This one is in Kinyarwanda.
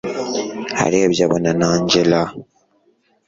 arebye abona ni angella